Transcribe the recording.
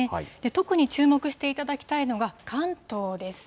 特に注目していただきたいのが、関東です。